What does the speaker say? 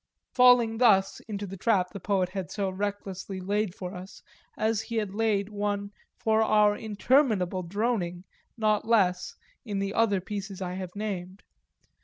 falling thus into the trap the poet had so recklessly laid for us, as he had laid one for our interminable droning, not less, in the other pieces I have named.